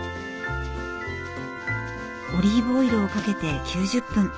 オリーブオイルをかけて９０分。